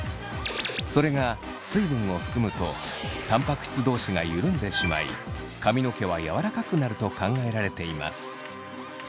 それが水分を含むとタンパク質同士が緩んでしまい髪の毛は柔らかくなると考えられています。